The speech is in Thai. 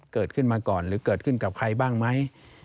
เกิดขึ้นมาก่อนหรือเกิดขึ้นกับใครบ้างไหม